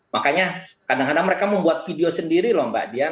makanya kadang kadang mereka membuat video sendiri loh mbak dia